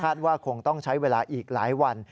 ว่าคงต้องใช้เวลาอีกหลายวัน